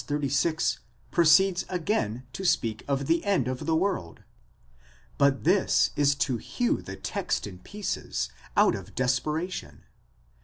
36 proceeds again to speak of the end of the world.1® But this is to hew the text in pieces, out of desperation.